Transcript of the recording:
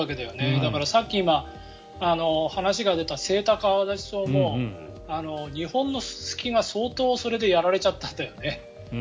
だから、さっき話が出たセイタカアワダチソウも日本のススキが相当やられちゃったんだよね。